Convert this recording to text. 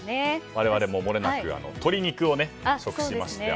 我々ももれなく鶏肉を食しまして。